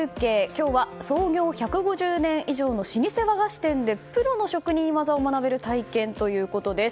今日は創業１５０年以上の老舗和菓子店でプロの職人技を学べる体験ということです。